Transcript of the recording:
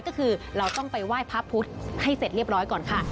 ก็คือเราต้องไปไหว้พระพุทธให้เสร็จเรียบร้อยก่อนค่ะ